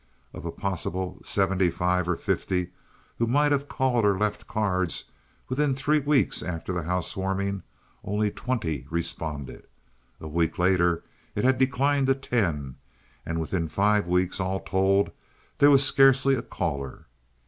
Of a possible seventy five or fifty who might have called or left cards, within three weeks after the housewarming only twenty responded. A week later it had declined to ten, and within five weeks, all told, there was scarcely a caller.